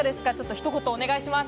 ひと言お願いします。